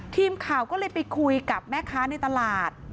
ทีมข่าวก็เลยไปคุยกับแม่ค้าในตลาด